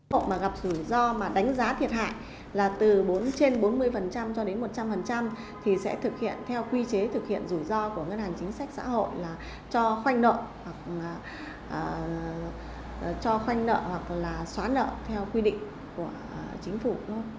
hộ mà gặp rủi ro mà đánh giá thiệt hại là từ bốn trên bốn mươi cho đến một trăm linh thì sẽ thực hiện theo quy chế thực hiện rủi ro của ngân hàng chính sách xã hội là cho khoanh nợ hoặc cho khoanh nợ hoặc là xóa nợ theo quy định của chính phủ